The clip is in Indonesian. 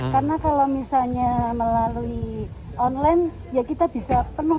karena kalau misalnya melalui online ya kita bisa penuh